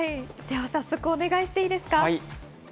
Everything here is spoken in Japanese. では早速お願いしていいですか？